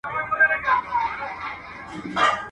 o کډي مي بارېږي، زوىمي را ملا که.